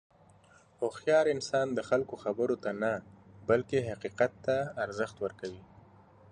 هوښیار انسان د خلکو خبرو ته نه، بلکې حقیقت ته ارزښت ورکوي.